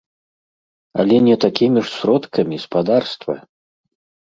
Але не такімі ж сродкамі, спадарства!